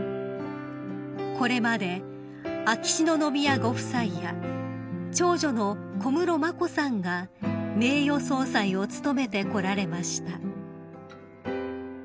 ［これまで秋篠宮ご夫妻や長女の小室眞子さんが名誉総裁を務めてこられました］